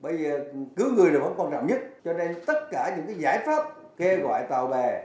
bây giờ cứu người là vấn quan trọng nhất cho nên tất cả những giải pháp kêu gọi tàu bè